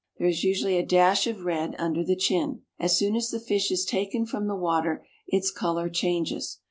There is usually a dash of red under the chin. As soon as the fish is taken from the water its color changes.